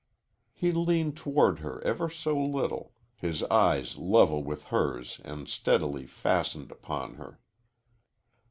He leaned toward her ever so little, his eyes level with hers and steadily fastened upon her.